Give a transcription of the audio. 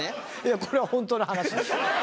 これは本当の話です。